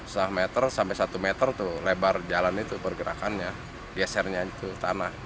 sah meter sampai satu meter tuh lebar jalan itu pergerakannya gesernya itu tanah